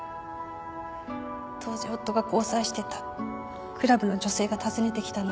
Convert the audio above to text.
当時夫が交際してたクラブの女性が訪ねてきたの